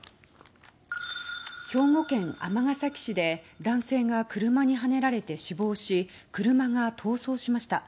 兵庫県尼崎市で男性が車にはねられて死亡し車が逃走しました。